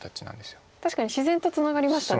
確かに自然とツナがりましたね。